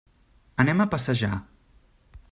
Anem a passejar.